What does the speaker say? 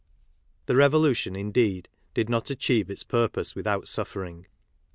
The revolution, indeed, did not achieve its purpose without suffering.